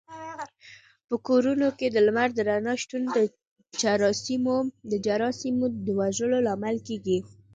په کورونو کې د لمر د رڼا شتون د جراثیمو د وژلو لامل کېږي.